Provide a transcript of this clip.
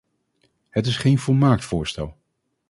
Het is geen volmaakt voorstel.